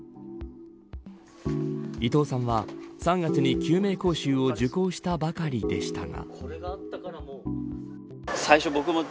伊藤さんは、３月に救命講習を受講したばかりでしたが。